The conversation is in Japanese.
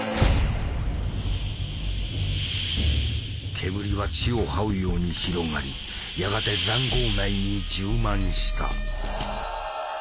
煙は地をはうように広がりやがて塹壕内に充満した。